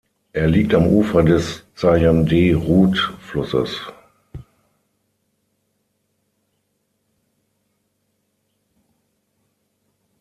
Er liegt am Ufer des Zayandeh-Rud-Flusses.